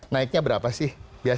naiknya berapa sih